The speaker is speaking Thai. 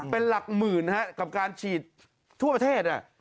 เป็นหลักหมื่นกับการฉีดทั่วประเทศ